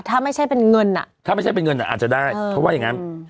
ถ้าไม่ใช่เป็นเงินอ่ะถ้าไม่ใช่เป็นเงินอ่ะอาจจะได้เขาว่าอย่างนั้น